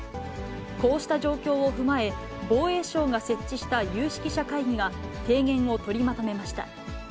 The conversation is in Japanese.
こうした状況を踏まえ、防衛省が設置した有識者会議が提言を取りまとめました。